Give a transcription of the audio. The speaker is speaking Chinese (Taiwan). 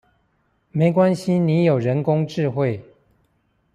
沒關係你有人工智慧